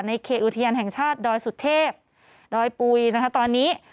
ในเขตอุทยานแห่งชาติดสุทธิบดปุ๋ยตอนนี้